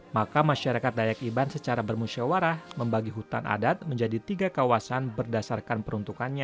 maka masyarakat dayak iban secara bermusyawarah membagi hutan adat menjadi tiga kawasan berdasarkan peruntukannya